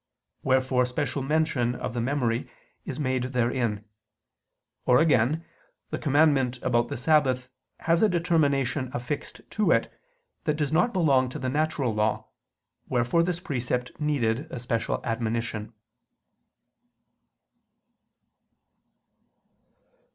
Wherefore special mention of the memory is made therein. Or again, the commandment about the Sabbath has a determination affixed to it that does not belong to the natural law, wherefore this precept needed a special admonition.